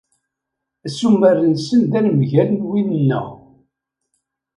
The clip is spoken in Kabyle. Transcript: Assumer-nsen d anemgal n win-nneɣ.